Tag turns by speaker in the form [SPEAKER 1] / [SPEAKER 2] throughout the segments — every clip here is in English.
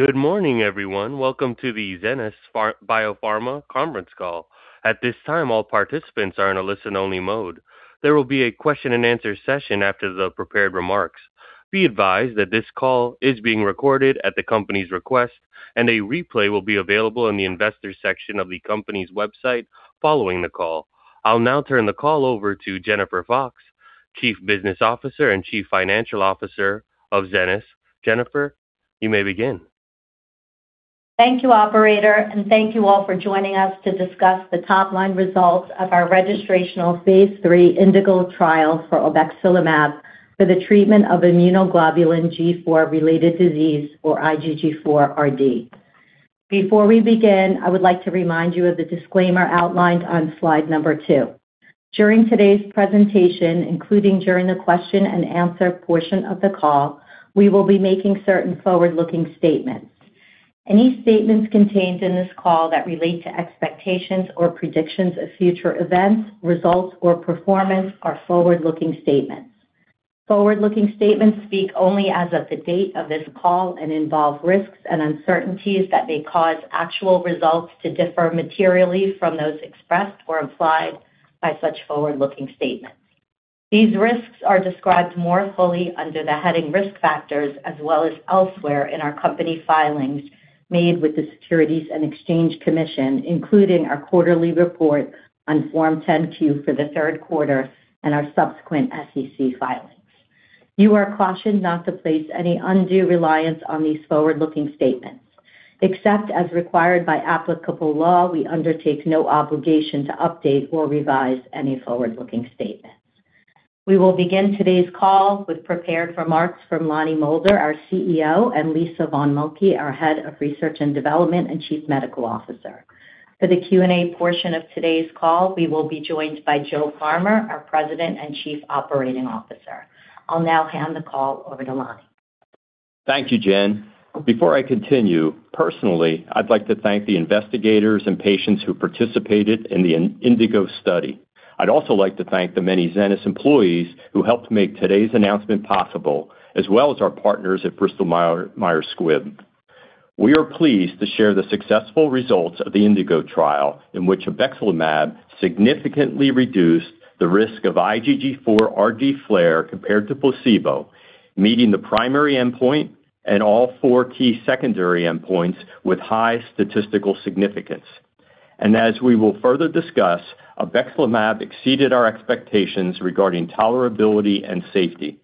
[SPEAKER 1] Good morning, everyone. Welcome to the Zenas BioPharma Conference Call. At this time, all participants are in a listen-only mode. There will be a question-and-answer session after the prepared remarks. Be advised that this call is being recorded at the company's request, and a replay will be available in the investor section of the company's website following the call. I'll now turn the call over to Jennifer Fox, Chief Business Officer and Chief Financial Officer of Zenas. Jennifer, you may begin.
[SPEAKER 2] Thank you, Operator, and thank you all for joining us to discuss the top-line results of our registrational phase III INDIGO trial for obexelimab for the treatment of immunoglobulin G4-related disease, or IgG4-RD. Before we begin, I would like to remind you of the disclaimer outlined on slide number two. During today's presentation, including during the question-and-answer portion of the call, we will be making certain forward-looking statements. Any statements contained in this call that relate to expectations or predictions of future events, results, or performance are forward-looking statements. Forward-looking statements speak only as of the date of this call and involve risks and uncertainties that may cause actual results to differ materially from those expressed or implied by such forward-looking statements. These risks are described more fully under the heading Risk Factors, as well as elsewhere in our company filings made with the Securities and Exchange Commission, including our quarterly report on Form 10-Q for the third quarter and our subsequent SEC filings. You are cautioned not to place any undue reliance on these forward-looking statements. Except as required by applicable law, we undertake no obligation to update or revise any forward-looking statements. We will begin today's call with prepared remarks from Lonnie Moulder, our CEO, and Lisa von Moltke, our Head of Research and Development and Chief Medical Officer. For the Q&A portion of today's call, we will be joined by Joe Farmer, our President and Chief Operating Officer. I'll now hand the call over to Lonnie.
[SPEAKER 3] Thank you, Jen. Before I continue, personally, I'd like to thank the investigators and patients who participated in the INDIGO study. I'd also like to thank the many Zenas employees who helped make today's announcement possible, as well as our partners at Bristol-Myers Squibb. We are pleased to share the successful results of the INDIGO trial, in which obexelimab significantly reduced the risk of IgG4-RD flare compared to placebo, meeting the primary endpoint and all four key secondary endpoints with high statistical significance, and as we will further discuss, obexelimab exceeded our expectations regarding tolerability and safety.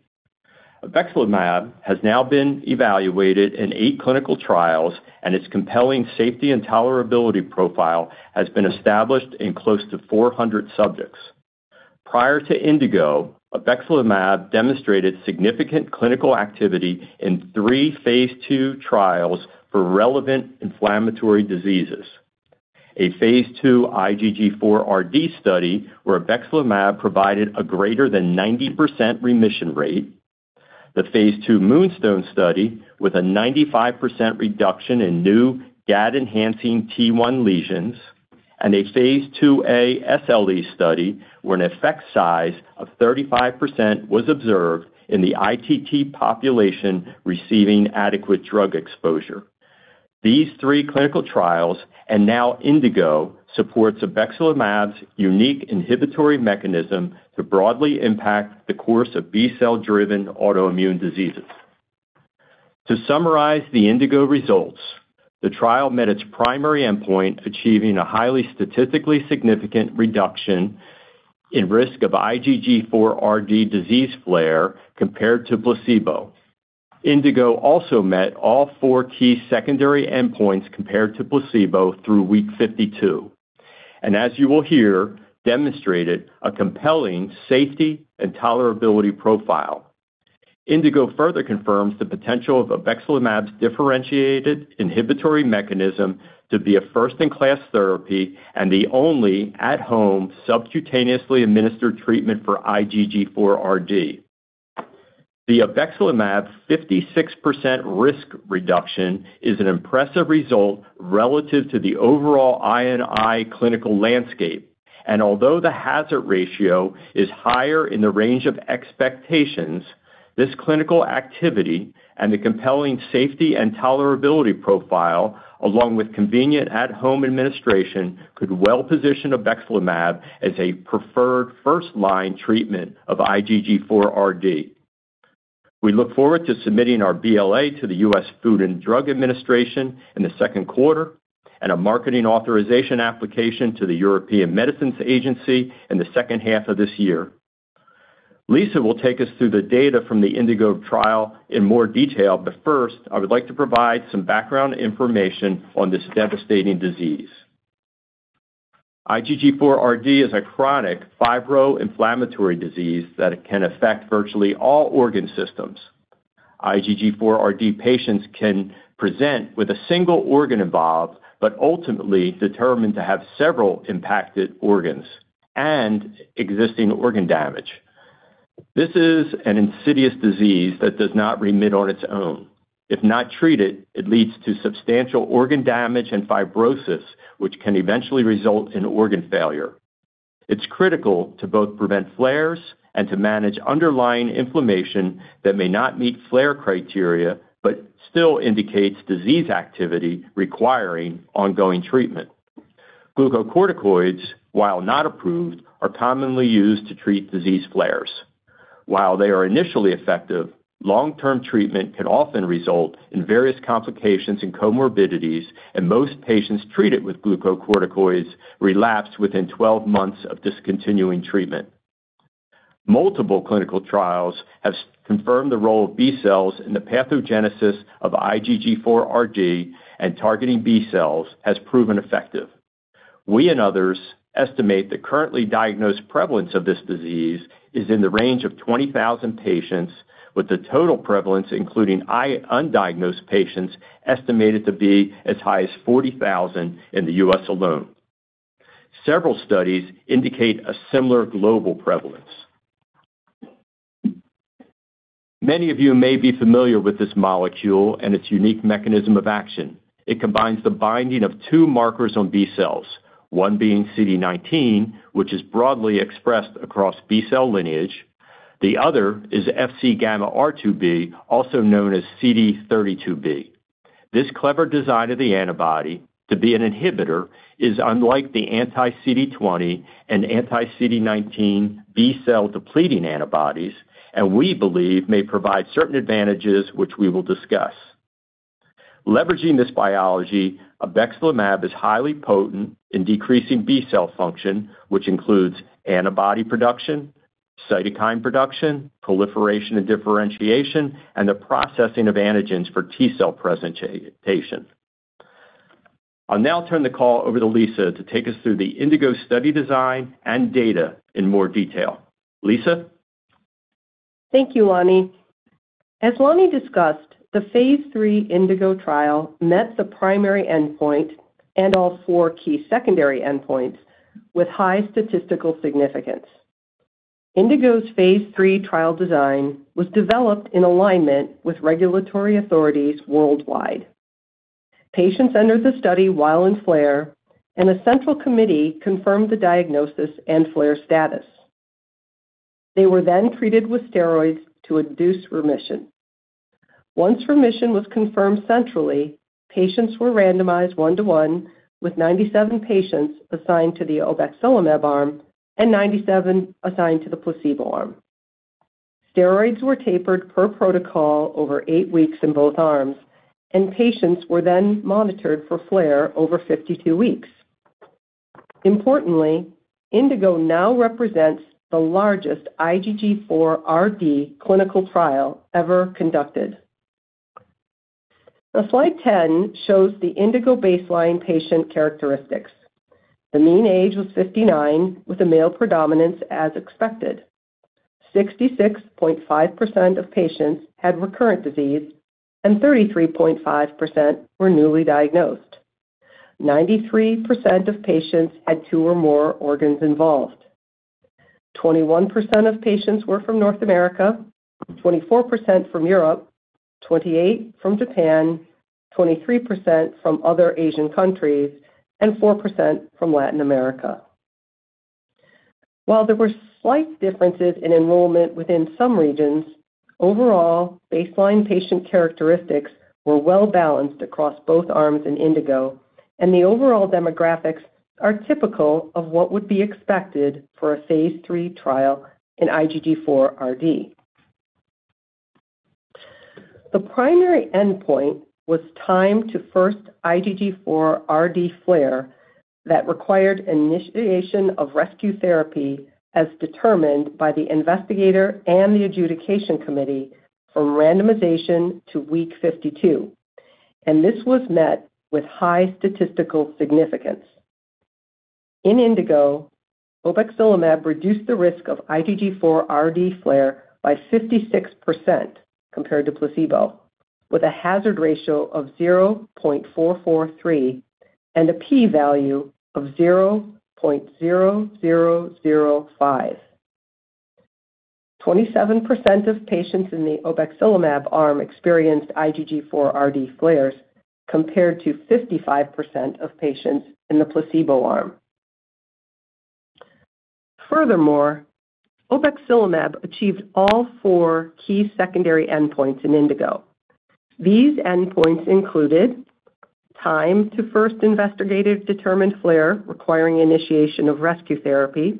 [SPEAKER 3] Obexelimab has now been evaluated in eight clinical trials, and its compelling safety and tolerability profile has been established in close to 400 subjects. Prior to INDIGO, obexelimab demonstrated significant clinical activity in three phase II trials for relevant inflammatory diseases: a phase II IgG4-RD study where obexelimab provided a greater than 90% remission rate, the phase II MoonStone study with a 95% reduction in new Gd-enhancing T1 lesions, and a phase IIA SLE study where an effect size of 35% was observed in the ITT population receiving adequate drug exposure. These three clinical trials, and now INDIGO, supports obexelimab's unique inhibitory mechanism to broadly impact the course of B-cell-driven autoimmune diseases. To summarize the INDIGO results, the trial met its primary endpoint, achieving a highly statistically significant reduction in risk of IgG4-RD disease flare compared to placebo. INDIGO also met all four key secondary endpoints compared to placebo through week 52, and as you will hear, demonstrated a compelling safety and tolerability profile. INDIGO further confirms the potential of obexelimab's differentiated inhibitory mechanism to be a first-in-class therapy and the only at-home subcutaneously administered treatment for IgG4-RD. The obexelimab 56% risk reduction is an impressive result relative to the overall IgG4 clinical landscape, and although the hazard ratio is higher in the range of expectations, this clinical activity and the compelling safety and tolerability profile, along with convenient at-home administration, could well position obexelimab as a preferred first-line treatment of IgG4-RD. We look forward to submitting our BLA to the U.S. Food and Drug Administration in the second quarter and a marketing authorization application to the European Medicines Agency in the second half of this year. Lisa will take us through the data from the INDIGO trial in more detail, but first, I would like to provide some background information on this devastating disease. IgG4RD is a chronic fibro-inflammatory disease that can affect virtually all organ systems. IgG4RD patients can present with a single organ involved but ultimately determine to have several impacted organs and existing organ damage. This is an insidious disease that does not remit on its own. If not treated, it leads to substantial organ damage and fibrosis, which can eventually result in organ failure. It's critical to both prevent flares and to manage underlying inflammation that may not meet flare criteria but still indicates disease activity requiring ongoing treatment. Glucocorticoids, while not approved, are commonly used to treat disease flares. While they are initially effective, long-term treatment can often result in various complications and comorbidities, and most patients treated with glucocorticoids relapse within 12 months of discontinuing treatment. Multiple clinical trials have confirmed the role of B-cells in the pathogenesis of IgG4RD, and targeting B-cells has proven effective. We and others estimate the currently diagnosed prevalence of this disease is in the range of 20,000 patients, with the total prevalence, including undiagnosed patients, estimated to be as high as 40,000 in the U.S. alone. Several studies indicate a similar global prevalence. Many of you may be familiar with this molecule and its unique mechanism of action. It combines the binding of two markers on B-cells, one being CD19, which is broadly expressed across B-cell lineage. The other is FcγRIIb, also known as CD32b. This clever design of the antibody to be an inhibitor is unlike the anti-CD20 and anti-CD19 B-cell depleting antibodies, and we believe may provide certain advantages, which we will discuss. Leveraging this biology, obexilamab is highly potent in decreasing B-cell function, which includes antibody production, cytokine production, proliferation and differentiation, and the processing of antigens for T-cell presentation. I'll now turn the call over to Lisa to take us through the INDIGO study design and data in more detail. Lisa.
[SPEAKER 4] Thank you, Lonnie. As Lonnie discussed, the phase III INDIGO trial met the primary endpoint and all four key secondary endpoints with high statistical significance. INDIGO's phase III trial design was developed in alignment with regulatory authorities worldwide. Patients entered the study while in flare, and a central committee confirmed the diagnosis and flare status. They were then treated with steroids to induce remission. Once remission was confirmed centrally, patients were randomized one-to-one with 97 patients assigned to the obexelimab arm and 97 assigned to the placebo arm. Steroids were tapered per protocol over eight weeks in both arms, and patients were then monitored for flare over 52 weeks. Importantly, INDIGO now represents the largest IgG4-RD clinical trial ever conducted. Slide 10 shows the INDIGO baseline patient characteristics. The mean age was 59, with a male predominance as expected. 66.5% of patients had recurrent disease, and 33.5% were newly diagnosed. 93% of patients had two or more organs involved. 21% of patients were from North America, 24% from Europe, 28% from Japan, 23% from other Asian countries, and 4% from Latin America. While there were slight differences in enrollment within some regions, overall baseline patient characteristics were well-balanced across both arms in INDIGO, and the overall demographics are typical of what would be expected for a phase III trial in IgG4-RD. The primary endpoint was time to first IgG4-RD flare that required initiation of rescue therapy as determined by the investigator and the adjudication committee from randomization to week 52, and this was met with high statistical significance. In INDIGO, obexilamab reduced the risk of IgG4-RD flare by 56% compared to placebo, with a hazard ratio of 0.443 and a p-value of 0.0005. 27% of patients in the obexelimab arm experienced IgG4-RD flares compared to 55% of patients in the placebo arm. Furthermore, obexelimab achieved all four key secondary endpoints in INDIGO. These endpoints included time to first investigator-determined flare requiring initiation of rescue therapy,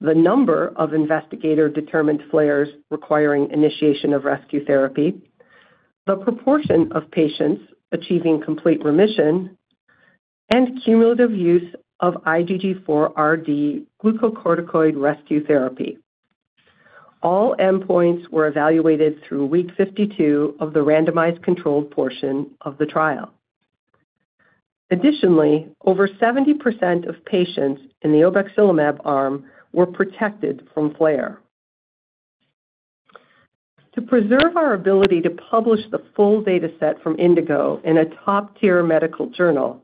[SPEAKER 4] the number of investigator-determined flares requiring initiation of rescue therapy, the proportion of patients achieving complete remission, and cumulative use of IgG4-RD glucocorticoid rescue therapy. All endpoints were evaluated through week 52 of the randomized controlled portion of the trial. Additionally, over 70% of patients in the obexelimab arm were protected from flare. To preserve our ability to publish the full data set from INDIGO in a top-tier medical journal,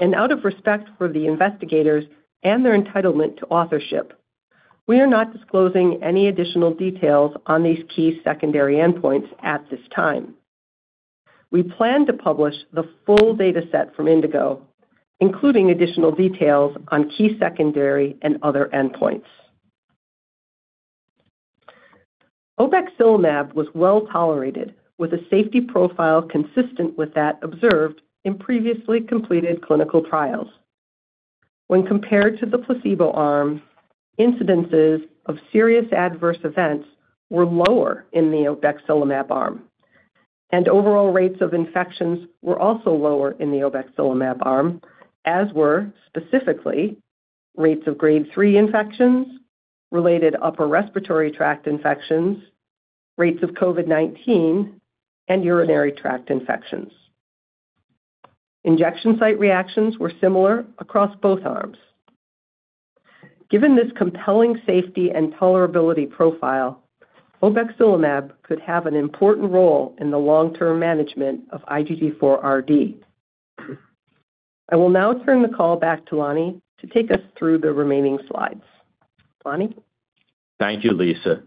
[SPEAKER 4] and out of respect for the investigators and their entitlement to authorship, we are not disclosing any additional details on these key secondary endpoints at this time. We plan to publish the full data set from INDIGO, including additional details on key secondary and other endpoints. Obexelimab was well tolerated, with a safety profile consistent with that observed in previously completed clinical trials. When compared to the placebo arm, incidences of serious adverse events were lower in the obexelimab arm, and overall rates of infections were also lower in the obexelimab arm, as were specifically rates of grade 3 infections, related upper respiratory tract infections, rates of COVID-19, and urinary tract infections. Injection site reactions were similar across both arms. Given this compelling safety and tolerability profile, obexelimab could have an important role in the long-term management of IgG4-RD. I will now turn the call back to Lonnie to take us through the remaining slides. Lonnie.
[SPEAKER 3] Thank you, Lisa.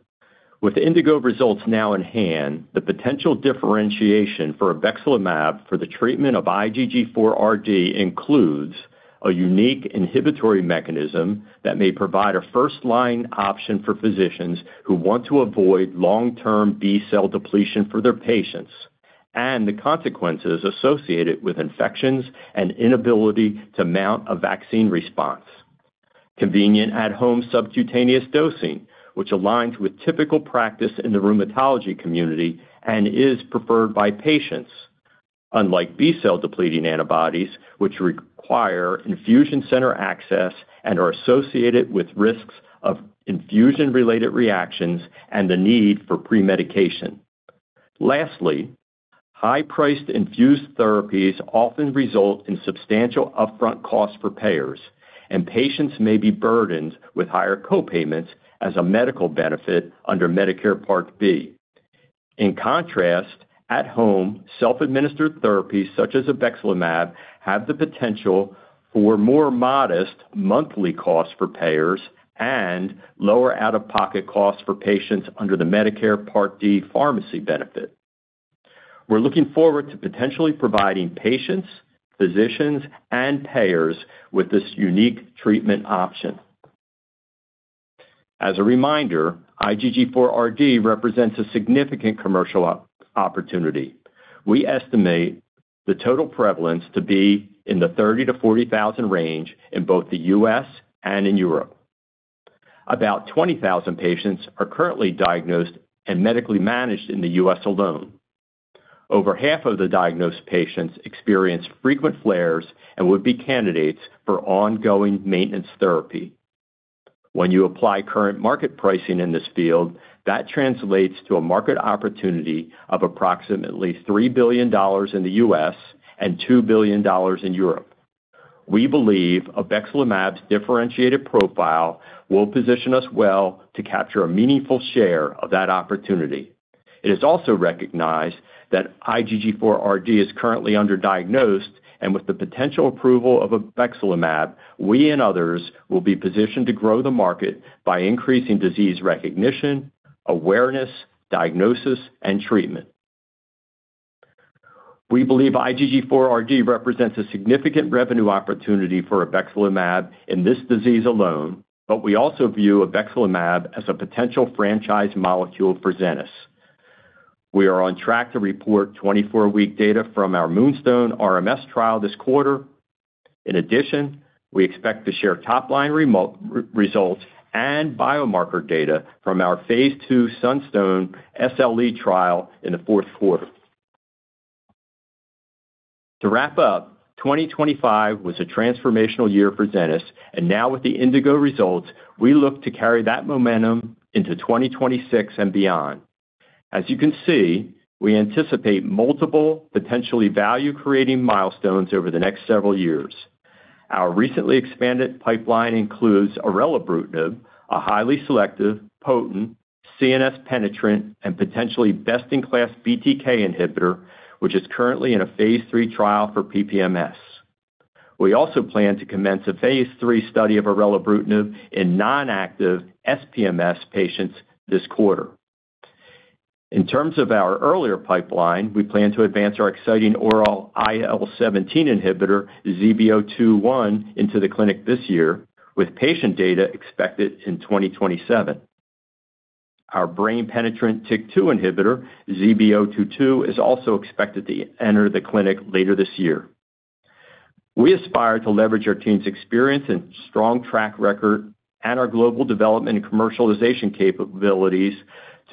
[SPEAKER 3] With INDIGO results now in hand, the potential differentiation for obexelimab for the treatment of IgG4-RD includes a unique inhibitory mechanism that may provide a first-line option for physicians who want to avoid long-term B-cell depletion for their patients and the consequences associated with infections and inability to mount a vaccine response. Convenient at-home subcutaneous dosing, which aligns with typical practice in the rheumatology community and is preferred by patients, unlike B-cell depleting antibodies, which require infusion center access and are associated with risks of infusion-related reactions and the need for pre-medication. Lastly, high-priced infused therapies often result in substantial upfront costs for payers, and patients may be burdened with higher copayments as a medical benefit under Medicare Part B. In contrast, at-home, self-administered therapies such as obexelimab have the potential for more modest monthly costs for payers and lower out-of-pocket costs for patients under the Medicare Part D pharmacy benefit. We're looking forward to potentially providing patients, physicians, and payers with this unique treatment option. As a reminder, IgG4-RD represents a significant commercial opportunity. We estimate the total prevalence to be in the 30,000-40,000 range in both the U.S. and in Europe. About 20,000 patients are currently diagnosed and medically managed in the U.S. alone. Over half of the diagnosed patients experience frequent flares and would be candidates for ongoing maintenance therapy. When you apply current market pricing in this field, that translates to a market opportunity of approximately $3 billion in the U.S. and $2 billion in Europe. We believe obexelimab's differentiated profile will position us well to capture a meaningful share of that opportunity. It is also recognized that IgG4-RD is currently underdiagnosed, and with the potential approval of obexilamab, we and others will be positioned to grow the market by increasing disease recognition, awareness, diagnosis, and treatment. We believe IgG4-RD represents a significant revenue opportunity for obexilamab in this disease alone, but we also view obexilamab as a potential franchise molecule for Zenas. We are on track to report 24-week data from our MoonStone RMS trial this quarter. In addition, we expect to share top-line results and biomarker data from our phase II SunStone SLE trial in the fourth quarter. To wrap up, 2025 was a transformational year for Zenas, and now with the INDIGO results, we look to carry that momentum into 2026 and beyond. As you can see, we anticipate multiple potentially value-creating milestones over the next several years. Our recently expanded pipeline includes orelabrutinib, a highly selective, potent, CNS-penetrant, and potentially best-in-class BTK inhibitor, which is currently in a phase III trial for PPMS. We also plan to commence a phase III study of orelabrutinib in non-active SPMS patients this quarter. In terms of our earlier pipeline, we plan to advance our exciting oral IL-17 inhibitor, ZBO21, into the clinic this year, with patient data expected in 2027. Our brain-penetrant TYK2 inhibitor, ZBO22, is also expected to enter the clinic later this year. We aspire to leverage our team's experience and strong track record and our global development and commercialization capabilities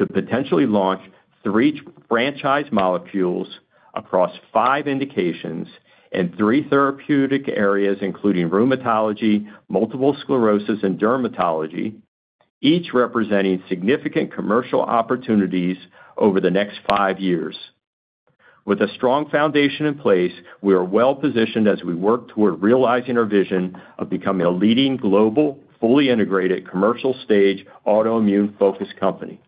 [SPEAKER 3] to potentially launch three franchise molecules across five indications in three therapeutic areas, including rheumatology, multiple sclerosis, and dermatology, each representing significant commercial opportunities over the next five years. With a strong foundation in place, we are well-positioned as we work toward realizing our vision of becoming a leading global, fully integrated, commercial-stage autoimmune-focused company.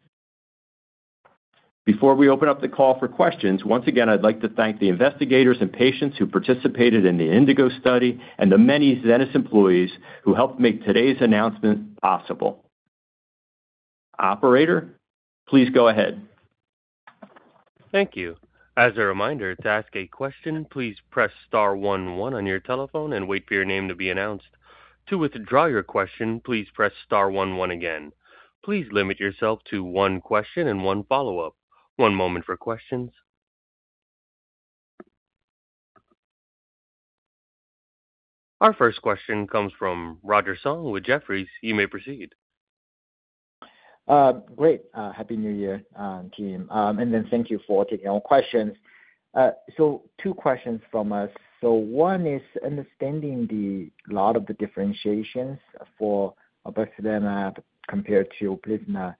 [SPEAKER 3] Before we open up the call for questions, once again, I'd like to thank the investigators and patients who participated in the INDIGO study and the many Zenas employees who helped make today's announcement possible. Operator, please go ahead.
[SPEAKER 1] Thank you. As a reminder, to ask a question, please press star one one on your telephone and wait for your name to be announced. To withdraw your question, please press star one one again. Please limit yourself to one question and one follow-up. One moment for questions. Our first question comes from Roger Song with Jefferies. You may proceed.
[SPEAKER 5] Great. Happy New Year, team. And then thank you for taking our questions. So two questions from us. So one is understanding a lot of the differentiations for obexelimab compared to Uplizna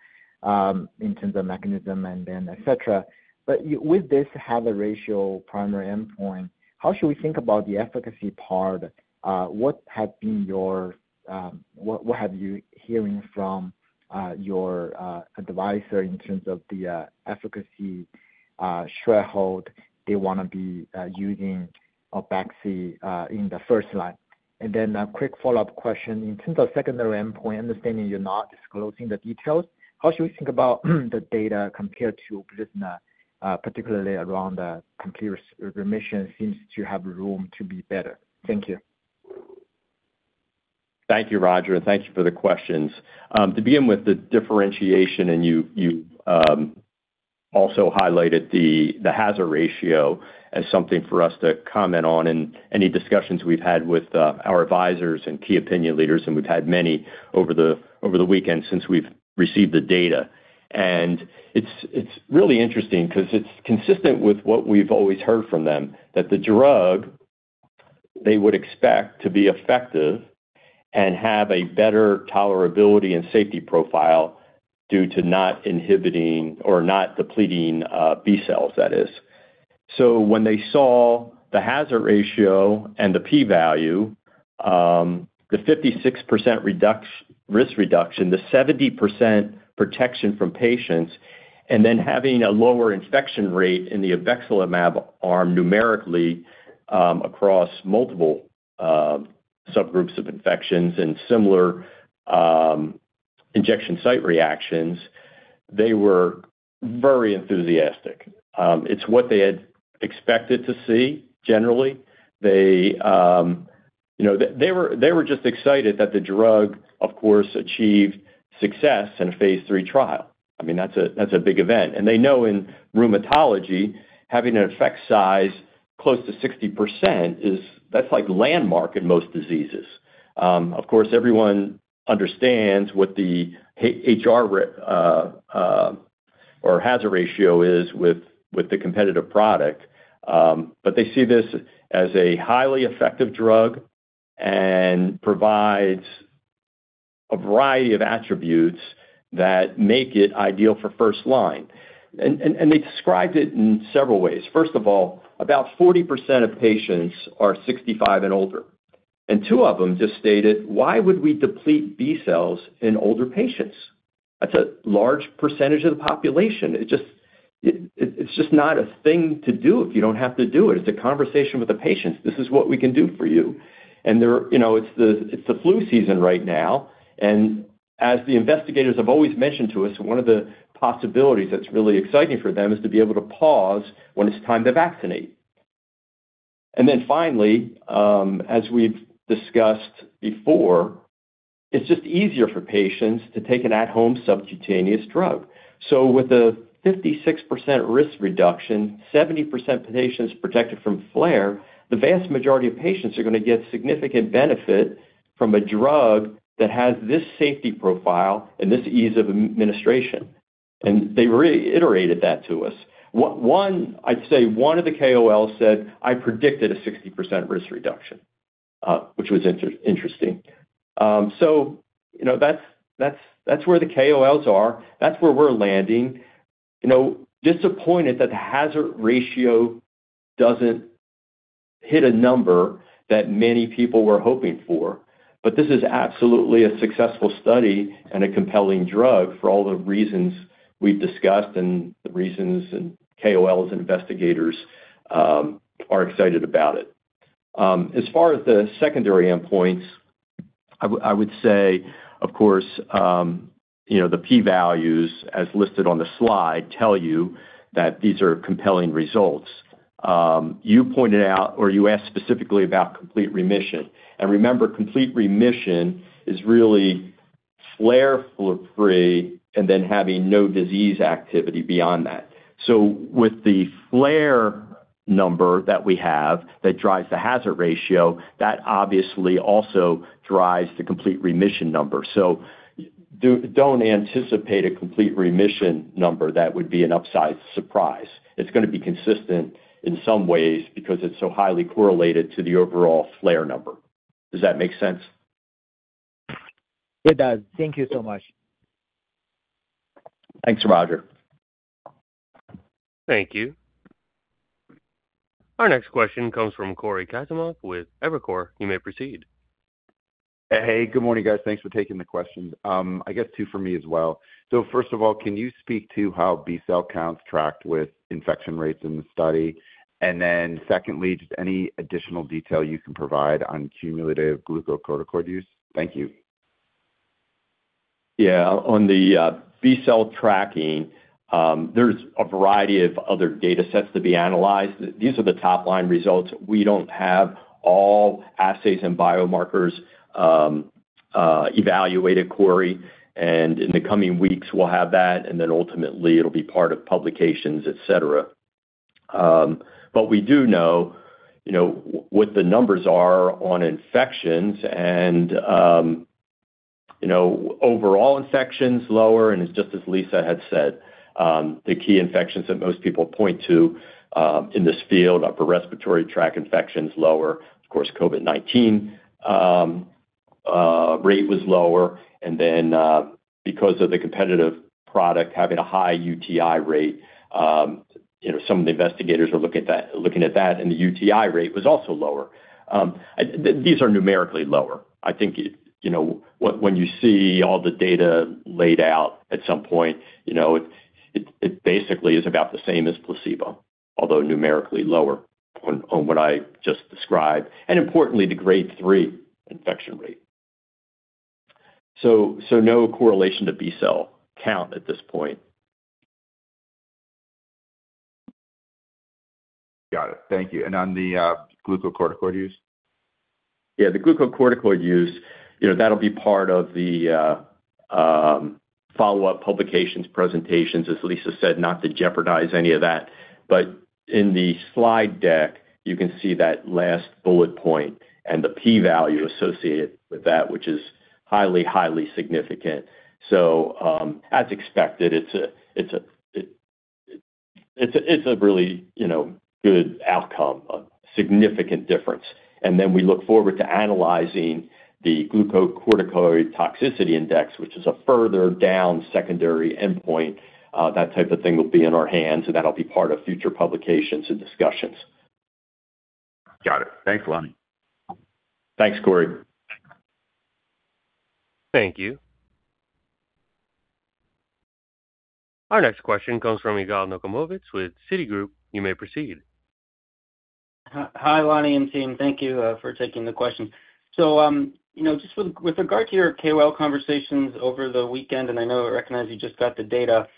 [SPEAKER 5] in terms of mechanism and then, etc. But with this hazard ratio primary endpoint, how should we think about the efficacy part? What have you been hearing from your advisor in terms of the efficacy threshold they want to be using for obexelimab in the first line? And then a quick follow-up question. In terms of secondary endpoint, understanding you're not disclosing the details, how should we think about the data compared to Uplizna, particularly around the complete remission seems to have room to be better. Thank you.
[SPEAKER 3] Thank you, Roger. Thank you for the questions. To begin with, the differentiation, and you also highlighted the hazard ratio as something for us to comment on in any discussions we've had with our advisors and key opinion leaders, and we've had many over the weekend since we've received the data, and it's really interesting because it's consistent with what we've always heard from them, that the drug, they would expect to be effective and have a better tolerability and safety profile due to not inhibiting or not depleting B-cells, that is, so when they saw the hazard ratio and the p-value, the 56% risk reduction, the 70% protection from patients, and then having a lower infection rate in the obexelimab arm numerically across multiple subgroups of infections and similar injection site reactions, they were very enthusiastic. It's what they had expected to see generally. They were just excited that the drug, of course, achieved success in a phase III trial. I mean, that's a big event. And they know in rheumatology, having an effect size close to 60% is. That's like landmark in most diseases. Of course, everyone understands what the HR or hazard ratio is with the competitive product, but they see this as a highly effective drug and provides a variety of attributes that make it ideal for first line. And they described it in several ways. First of all, about 40% of patients are 65 and older. And two of them just stated, "Why would we deplete B-cells in older patients?" That's a large percentage of the population. It's just not a thing to do if you don't have to do it. It's a conversation with the patients. This is what we can do for you. It's the flu season right now. As the investigators have always mentioned to us, one of the possibilities that's really exciting for them is to be able to pause when it's time to vaccinate. Then finally, as we've discussed before, it's just easier for patients to take an at-home subcutaneous drug. With a 56% risk reduction, 70% patients protected from flare, the vast majority of patients are going to get significant benefit from a drug that has this safety profile and this ease of administration. They reiterated that to us. One, I'd say one of the KOLs said, "I predicted a 60% risk reduction," which was interesting. That's where the KOLs are. That's where we're landing. Disappointed that the hazard ratio doesn't hit a number that many people were hoping for, but this is absolutely a successful study and a compelling drug for all the reasons we've discussed and the reasons KOLs and investigators are excited about it. As far as the secondary endpoints, I would say, of course, the p-values as listed on the slide tell you that these are compelling results. You pointed out or you asked specifically about complete remission. And remember, complete remission is really flare-free and then having no disease activity beyond that. So with the flare number that we have that drives the hazard ratio, that obviously also drives the complete remission number. So don't anticipate a complete remission number that would be an upside surprise. It's going to be consistent in some ways because it's so highly correlated to the overall flare number. Does that make sense?
[SPEAKER 5] It does. Thank you so much.
[SPEAKER 3] Thanks, Roger.
[SPEAKER 1] Thank you. Our next question comes from Cory Kasimov with Evercore. You may proceed.
[SPEAKER 6] Hey, good morning, guys. Thanks for taking the question. I guess two for me as well. So first of all, can you speak to how B-cell counts tracked with infection rates in the study? And then secondly, just any additional detail you can provide on cumulative glucocorticoid use? Thank you.
[SPEAKER 3] Yeah. On the B-cell tracking, there's a variety of other data sets to be analyzed. These are the top-line results. We don't have all assays and biomarkers evaluated, Cory, and in the coming weeks, we'll have that, and then ultimately, it'll be part of publications, etc. But we do know what the numbers are on infections and overall infections lower, and it's just as Lisa had said, the key infections that most people point to in this field, upper respiratory tract infections, lower. Of course, COVID-19 rate was lower, and then because of the competitive product having a high UTI rate, some of the investigators are looking at that, and the UTI rate was also lower. These are numerically lower. I think when you see all the data laid out at some point, it basically is about the same as placebo, although numerically lower on what I just described. And importantly, the grade 3 infection rate. So no correlation to B-cell count at this point.
[SPEAKER 6] Got it. Thank you. And on the glucocorticoid use?
[SPEAKER 3] Yeah. The glucocorticoid use, that'll be part of the follow-up publications presentations, as Lisa said, not to jeopardize any of that. But in the slide deck, you can see that last bullet point and the p-value associated with that, which is highly, highly significant. So as expected, it's a really good outcome, a significant difference. And then we look forward to analyzing the Glucocorticoid Toxicity Index, which is a further down secondary endpoint. That type of thing will be in our hands, and that'll be part of future publications and discussions.
[SPEAKER 6] Got it. Thanks, Lonnie.
[SPEAKER 3] Thanks, Corey.
[SPEAKER 1] Thank you. Our next question comes from Yigal Nochomovitz with Citigroup. You may proceed.
[SPEAKER 7] Hi, Lonnie and team. Thank you for taking the questions. So just with regard to your KOL conversations over the weekend, and I know I recognize you just got the data,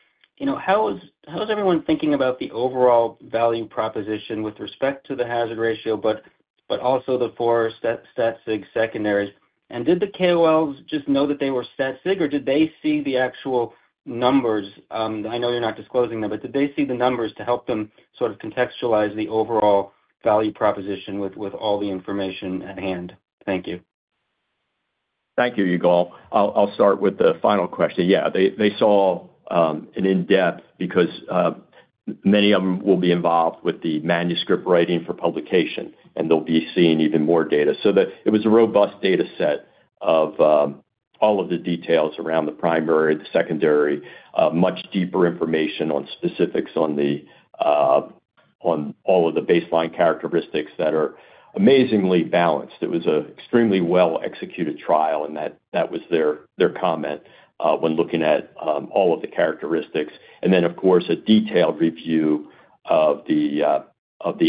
[SPEAKER 7] how is everyone thinking about the overall value proposition with respect to the hazard ratio, but also the four stat-sig secondaries? And did the KOLs just know that they were stat-sig, or did they see the actual numbers? I know you're not disclosing them, but did they see the numbers to help them sort of contextualize the overall value proposition with all the information at hand? Thank you.
[SPEAKER 3] Thank you, Yigal. I'll start with the final question. Yeah. They saw an in-depth because many of them will be involved with the manuscript writing for publication, and they'll be seeing even more data. So it was a robust data set of all of the details around the primary, the secondary, much deeper information on specifics on all of the baseline characteristics that are amazingly balanced. It was an extremely well-executed trial, and that was their comment when looking at all of the characteristics. And then, of course, a detailed review of the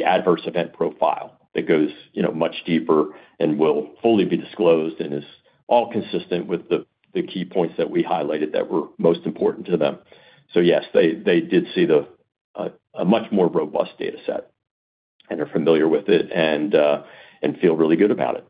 [SPEAKER 3] adverse event profile that goes much deeper and will fully be disclosed and is all consistent with the key points that we highlighted that were most important to them. So yes, they did see a much more robust data set and are familiar with it and feel really good about it.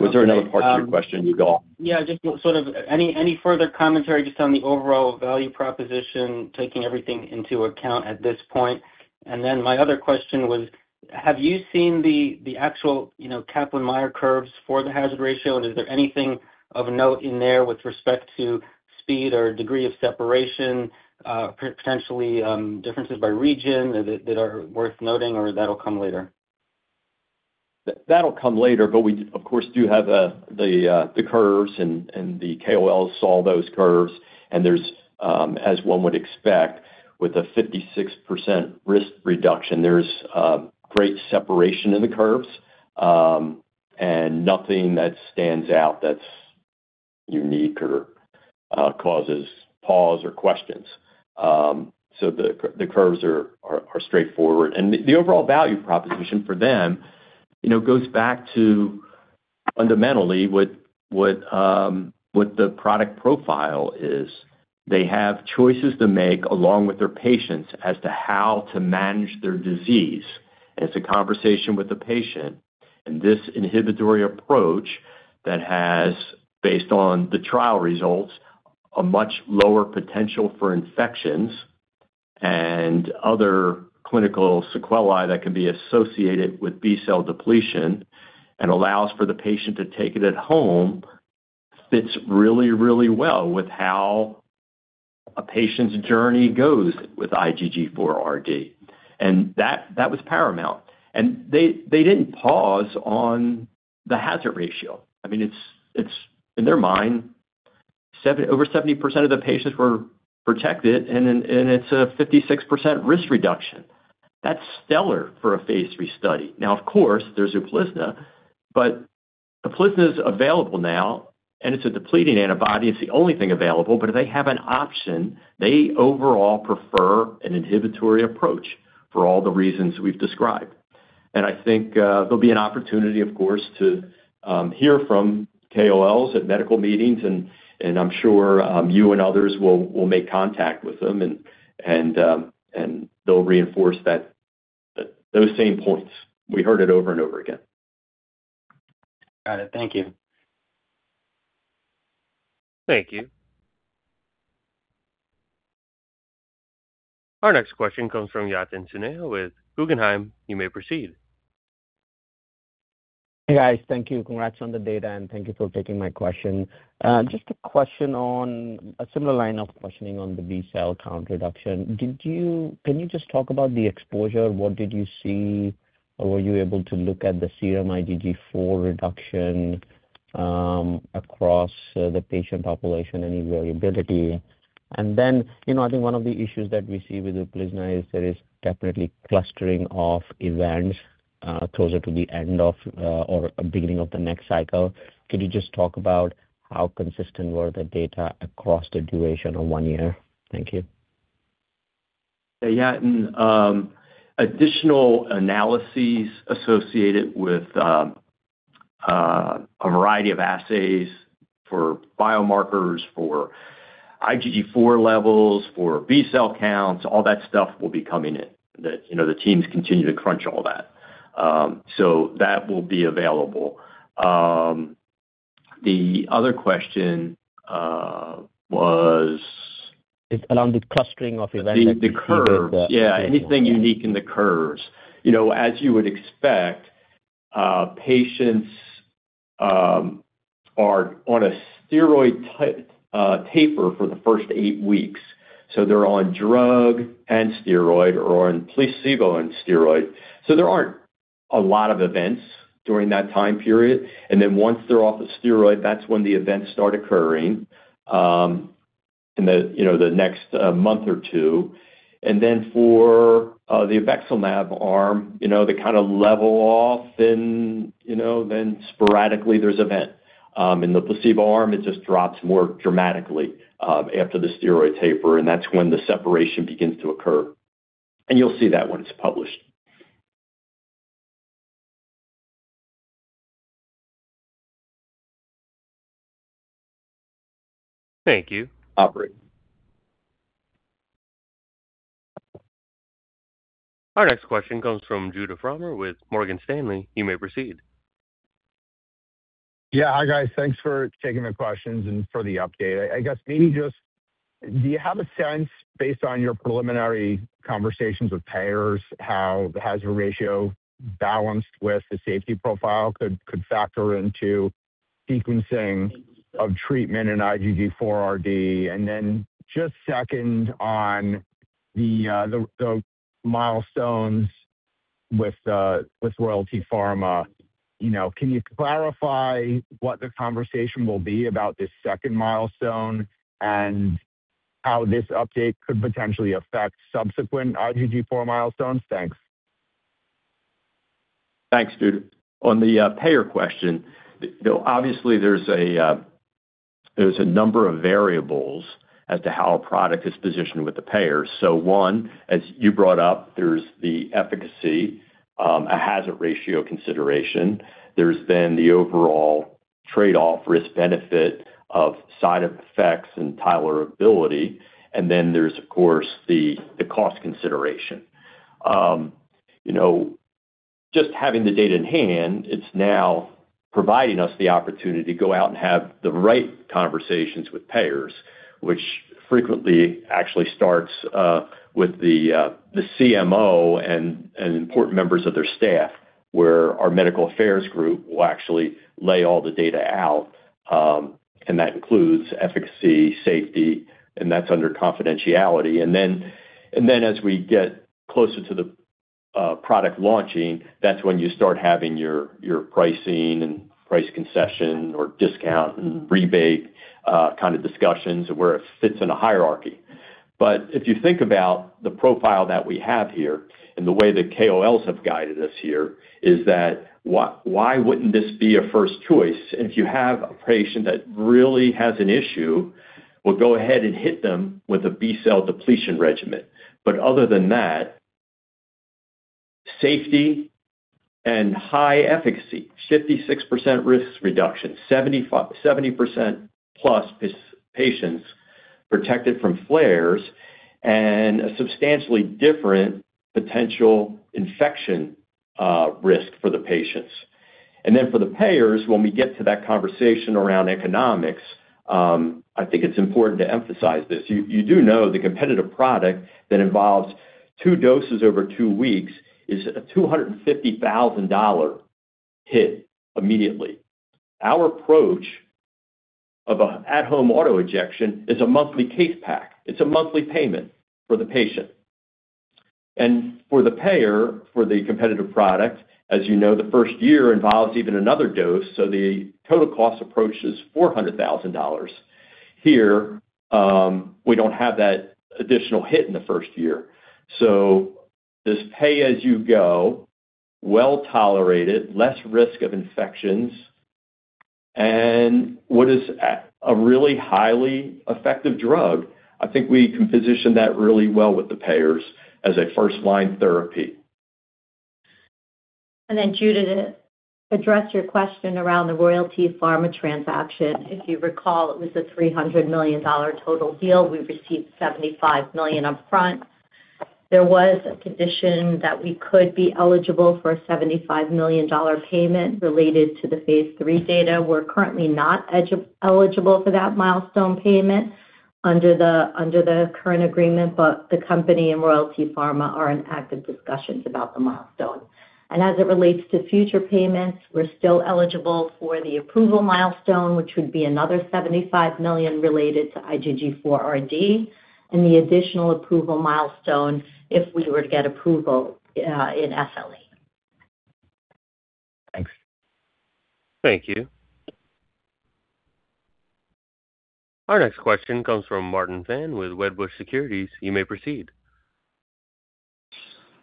[SPEAKER 3] Was there another part to your question, Yigal?
[SPEAKER 7] Yeah. Just sort of any further commentary just on the overall value proposition, taking everything into account at this point? And then my other question was, have you seen the actual Kaplan-Meier curves for the hazard ratio, and is there anything of note in there with respect to speed or degree of separation, potentially differences by region that are worth noting, or that'll come later?
[SPEAKER 3] That'll come later, but we, of course, do have the curves, and the KOLs saw those curves. And there's, as one would expect, with a 56% risk reduction, there's great separation in the curves and nothing that stands out that's unique or causes pause or questions. So the curves are straightforward. And the overall value proposition for them goes back to fundamentally what the product profile is. They have choices to make along with their patients as to how to manage their disease. And it's a conversation with the patient. And this inhibitory approach that has, based on the trial results, a much lower potential for infections and other clinical sequelae that can be associated with B-cell depletion and allows for the patient to take it at home fits really, really well with how a patient's journey goes with IgG4-RD. And that was paramount. They didn't pause on the hazard ratio. I mean, in their mind, over 70% of the patients were protected, and it's a 56% risk reduction. That's stellar for a phase III study. Now, of course, there's a Uplizna, but the Uplizna is available now, and it's a depleting antibody. It's the only thing available, but they have an option. They overall prefer an inhibitory approach for all the reasons we've described. I think there'll be an opportunity, of course, to hear from KOLs at medical meetings, and I'm sure you and others will make contact with them, and they'll reinforce those same points. We heard it over and over again.
[SPEAKER 7] Got it. Thank you.
[SPEAKER 1] Thank you. Our next question comes from Yatin Suneja with Guggenheim. You may proceed.
[SPEAKER 8] Hey, guys. Thank you. Congrats on the data, and thank you for taking my question. Just a question on a similar line of questioning on the B-cell count reduction. Can you just talk about the exposure? What did you see? Were you able to look at the serum IgG4 reduction across the patient population? Any variability? And then I think one of the issues that we see with the Uplizna is there is definitely clustering of events closer to the end of or beginning of the next cycle. Could you just talk about how consistent were the data across the duration of one year? Thank you.
[SPEAKER 3] Yeah. Additional analyses associated with a variety of assays for biomarkers, for IgG4 levels, for B-cell counts, all that stuff will be coming in. The teams continue to crunch all that. So that will be available. The other question was.
[SPEAKER 8] It's around the clustering of events.
[SPEAKER 3] The curves. Yeah. Anything unique in the curves? As you would expect, patients are on a steroid taper for the first eight weeks. So they're on drug and steroid or on placebo and steroid. So there aren't a lot of events during that time period, and then once they're off the steroid, that's when the events start occurring in the next month or two, and then for the obexelimab arm, they kind of level off, and then sporadically there's event. In the placebo arm, it just drops more dramatically after the steroid taper, and that's when the separation begins to occur, and you'll see that when it's published.
[SPEAKER 8] Thank you.
[SPEAKER 3] Operator.
[SPEAKER 1] Our next question comes from Judah Frommer with Morgan Stanley. You may proceed.
[SPEAKER 9] Yeah. Hi, guys. Thanks for taking my questions and for the update. I guess maybe just do you have a sense, based on your preliminary conversations with payers, how the hazard ratio balanced with the safety profile could factor into sequencing of treatment and IgG4-RD? And then just second on the milestones with Royalty Pharma, can you clarify what the conversation will be about this second milestone and how this update could potentially affect subsequent IgG4 milestones? Thanks.
[SPEAKER 3] Thanks, Judah. On the payer question, obviously, there's a number of variables as to how a product is positioned with the payers. So one, as you brought up, there's the efficacy, a hazard ratio consideration. There's then the overall trade-off, risk-benefit of side effects and tolerability, and then there's, of course, the cost consideration. Just having the data in hand, it's now providing us the opportunity to go out and have the right conversations with payers, which frequently actually starts with the CMO and important members of their staff, where our medical affairs group will actually lay all the data out, and that includes efficacy, safety, and that's under confidentiality, and then as we get closer to the product launching, that's when you start having your pricing and price concession or discount and rebate kind of discussions where it fits in a hierarchy. But if you think about the profile that we have here and the way the KOLs have guided us here, is that why wouldn't this be a first choice? And if you have a patient that really has an issue, we'll go ahead and hit them with a B-cell depletion regimen. But other than that, safety and high efficacy, 56% risk reduction, 70%+ patients protected from flares, and a substantially different potential infection risk for the patients. And then for the payers, when we get to that conversation around economics, I think it's important to emphasize this. You do know the competitive product that involves two doses over two weeks is a $250,000 hit immediately. Our approach of an at-home auto injection is a monthly case pack. It's a monthly payment for the patient. And for the payer, for the competitive product, as you know, the first year involves even another dose. So the total cost approach is $400,000. Here, we don't have that additional hit in the first year. So this pay-as-you-go, well-tolerated, less risk of infections, and what is a really highly effective drug, I think we can position that really well with the payers as a first-line therapy.
[SPEAKER 2] Then, Judah, to address your question around the Royalty Pharma transaction, if you recall, it was a $300 million total deal. We received $75 million upfront. There was a condition that we could be eligible for a $75 million payment related to the phase III data. We're currently not eligible for that milestone payment under the current agreement, but the company and Royalty Pharma are in active discussions about the milestone. As it relates to future payments, we're still eligible for the approval milestone, which would be another $75 million related to IgG4-RD and the additional approval milestone if we were to get approval in SLE.
[SPEAKER 9] Thanks.
[SPEAKER 1] Thank you. Our next question comes from Martin Fan with Wedbush Securities. You may proceed.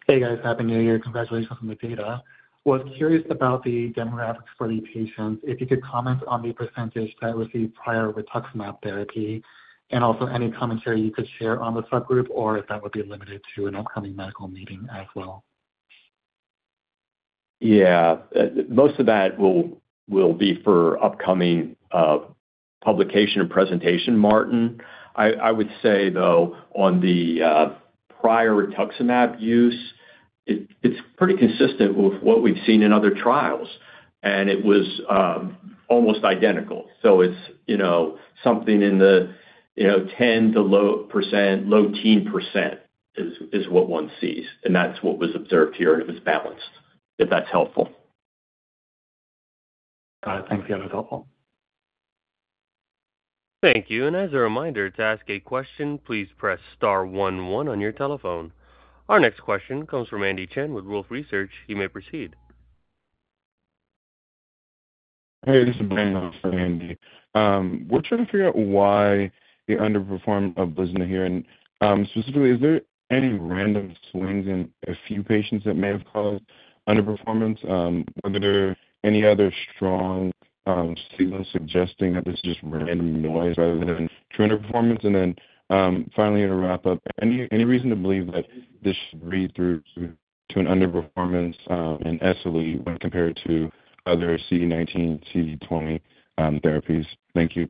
[SPEAKER 10] Hey, guys. Happy New Year. Congratulations on the data. Was curious about the demographics for the patients. If you could comment on the percentage that received prior rituximab therapy and also any commentary you could share on the subgroup or if that would be limited to an upcoming medical meeting as well?
[SPEAKER 3] Yeah. Most of that will be for upcoming publication and presentation, Martin. I would say, though, on the prior rituximab use, it's pretty consistent with what we've seen in other trials, and it was almost identical. So it's something in the 10% to low teen %, is what one sees, and that's what was observed here, and it was balanced, if that's helpful.
[SPEAKER 10] Got it. Thanks. Yeah, that was helpful.
[SPEAKER 1] Thank you. And as a reminder, to ask a question, please press star one one on your telephone. Our next question comes from Andy Chen with Wolfe Research. You may proceed.
[SPEAKER 11] Hey, this is Brandon for Andy. We're trying to figure out why the underperformance of Uplizna here. And specifically, is there any random swings in a few patients that may have caused underperformance? Were there any other strong signals suggesting that this is just random noise rather than true underperformance? And then finally, to wrap up, any reason to believe that this should read through to an underperformance in SLE when compared to other CD19, CD20 therapies? Thank you.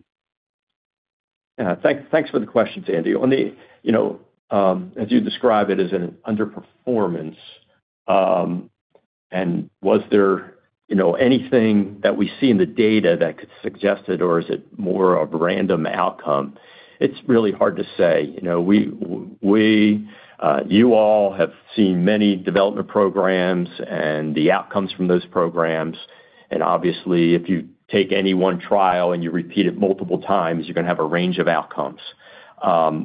[SPEAKER 3] Yeah. Thanks for the questions, Andy. As you describe it as an underperformance, and was there anything that we see in the data that could suggest it, or is it more of a random outcome? It's really hard to say. You all have seen many development programs and the outcomes from those programs, and obviously, if you take any one trial and you repeat it multiple times, you're going to have a range of outcomes.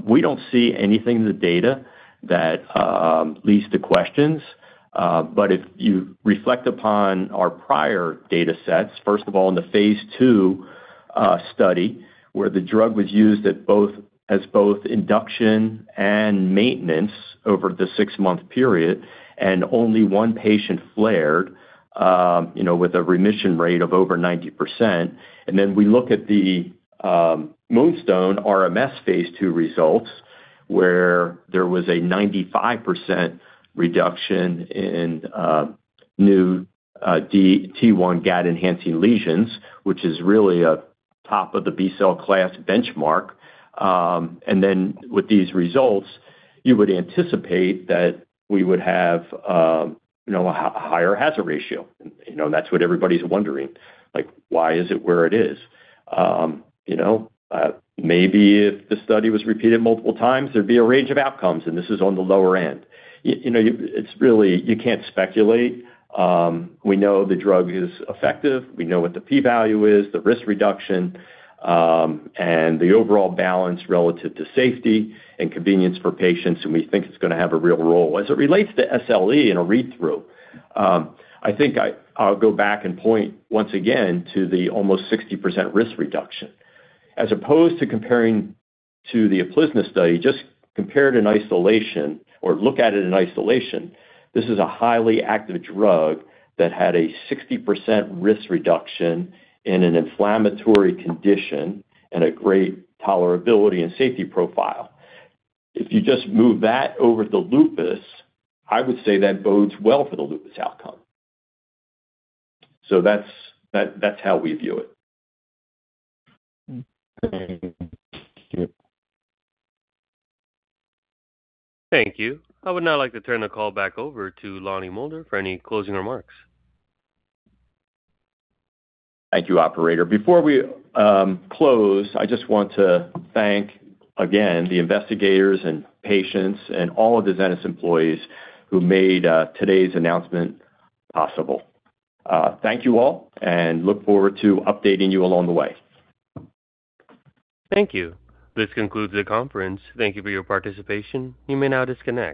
[SPEAKER 3] We don't see anything in the data that leads to questions. But if you reflect upon our prior data sets, first of all, in the phase II study where the drug was used as both induction and maintenance over the six-month period, and only one patient flared with a remission rate of over 90%. And then we look at the MoonStone RMS phase II results where there was a 95% reduction in new T1 Gd-enhancing lesions, which is really a top of the B-cell class benchmark. And then with these results, you would anticipate that we would have a higher hazard ratio. And that's what everybody's wondering. Why is it where it is? Maybe if the study was repeated multiple times, there'd be a range of outcomes, and this is on the lower end. You can't speculate. We know the drug is effective. We know what the p-value is, the risk reduction, and the overall balance relative to safety and convenience for patients, and we think it's going to have a real role. As it relates to SLE and RA, I think I'll go back and point once again to the almost 60% risk reduction. As opposed to comparing to the Uplizna study, just compare it in isolation or look at it in isolation. This is a highly active drug that had a 60% risk reduction in an inflammatory condition and a great tolerability and safety profile. If you just move that over to lupus, I would say that bodes well for the lupus outcome. So that's how we view it.
[SPEAKER 1] Thank you. Thank you. I would now like to turn the call back over to Lonnie Moulder for any closing remarks.
[SPEAKER 3] Thank you, operator. Before we close, I just want to thank, again, the investigators and patients and all of the Zenas employees who made today's announcement possible. Thank you all, and look forward to updating you along the way.
[SPEAKER 1] Thank you. This concludes the conference. Thank you for your participation. You may now disconnect.